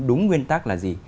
đúng nguyên tắc là gì